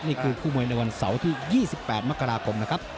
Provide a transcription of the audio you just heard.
นี่คือคู่มวยในวันเสาร์ที่๒๘มกราคมนะครับ